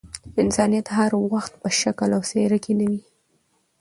انسانيت هر وخت په شکل او څهره کي نه وي.